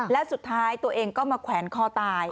และสุดท้ายตัวเองก็มาแขวนคอตาย